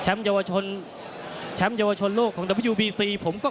เอ้าติดตามต่อเลยครับส่งให้พี่ปะและพี่บุ๋มครับ